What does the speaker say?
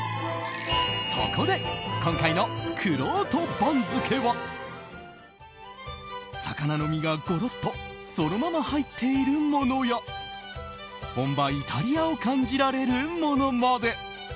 そこで、今回のくろうと番付は魚の身がゴロッとそのまま入っているものや本場イタリアを感じられるものまで。